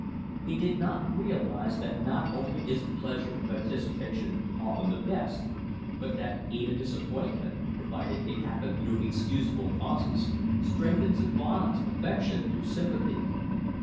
He did not realize that not only is the pleasure of anticipation often the best, but that even disappointment, provided it happen through excusable causes, strengthens the bonds of affection through sympathy.